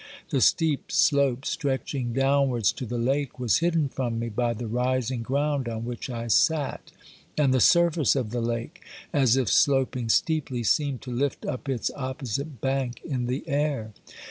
The steep slope stretching downwards to the lake was hidden from me by the rising ground on which I sat, and the surface of the lake, as if sloping steeply, seemed to lift up its opposite bank in the air.